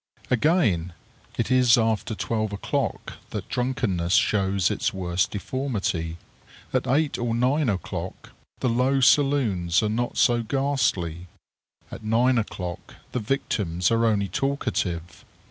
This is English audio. Again, it is after twelve o'clock that drunkenness shows its worst deformity! At eight or nine o'clock the low saloons are not so ghastly. At nine o'clock the victims are only talkative.